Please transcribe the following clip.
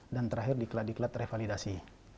dan terakhir diklat diklat revalidasi